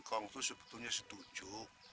engkong tuh sebetulnya setuju